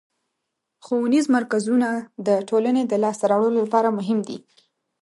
ښوونیز مرکزونه د ټولنې د لاسته راوړنو لپاره مهم دي.